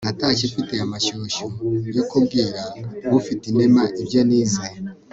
natashye mfite amashyushyu yo kubwira ufitinema ibyo nize